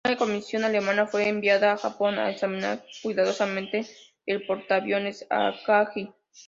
Una comisión alemana fue enviada a Japón a examinar cuidadosamente el portaaviones Akagi.